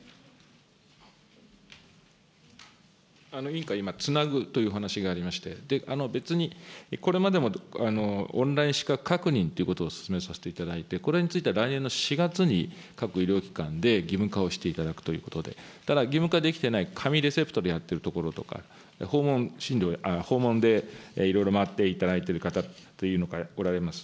委員から、今つなぐという話がありまして、別にこれまでも、オンライン資格確認ということを進めさせていただいて、これについては来年の４月に、各医療機関で義務化をしていただくということで、ただ義務化できていない、紙レセプトでやっているところとか、訪問でいろいろ回っていただいている方というのがおられます。